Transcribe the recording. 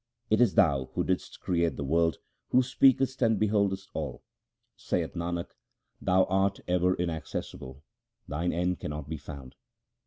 It is Thou, who didst create the world, who speakest and beholdest all. Saith Nanak, Thou art ever inaccessible ; Thine end cannot be found.